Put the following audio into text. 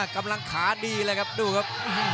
กำลังขาดีเลยครับดูครับ